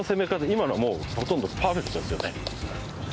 今のはもうほとんどパーフェクトですよね。